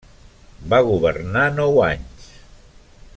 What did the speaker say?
Va governar nou anys.